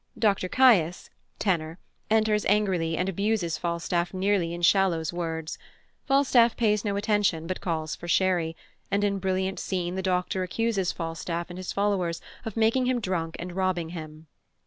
Dr Caius (tenor) enters angrily and abuses Falstaff nearly in Shallow's words; Falstaff pays no attention, but calls for sherry, and in a brilliant scene the Doctor accuses Falstaff and his followers of making him drunk and robbing him.